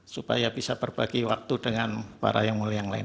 supaya bisa berbagi waktu dengan para yang mulia yang lain